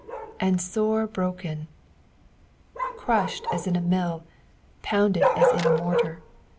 "And wre broken. " Crushed aa in a mill, pounded as in a mor tar.